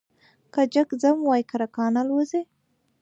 که جگ ځم وايي کرکان الوزوې ،